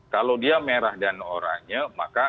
kalau dia merah dan oranye maka